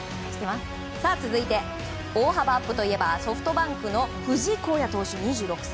続いて、大幅アップといえばソフトバンクの藤井皓哉投手、２６歳。